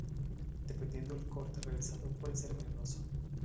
Dependiendo del corte realizado puede ser venenoso